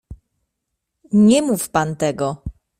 "Nie mów pan tego!"